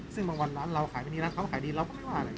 ซึ่งบางวันร้านเราขายไม่ดีร้านค้าขายดีเราก็ว่าอะไร